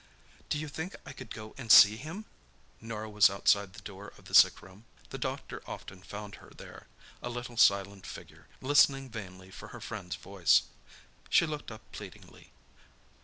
"Do you think I could go and see him?" Norah was outside the door of the sick room. The doctor often found her there—a little silent figure, listening vainly for her friend's voice. She looked up pleadingly.